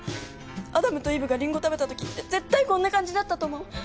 アダムとイブがリンゴ食べたときって絶対こんな感じだったと思う。